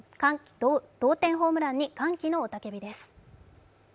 同点ホームランに歓喜の雄たけびです。